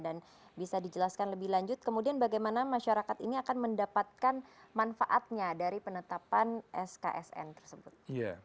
dan bisa dijelaskan lebih lanjut kemudian bagaimana masyarakat ini akan mendapatkan manfaatnya dari penetapan sksn tersebut